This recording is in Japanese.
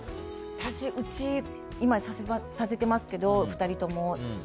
うち今、させていますけど２人とも。